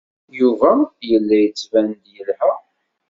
Yuba yella yettban-d yelha.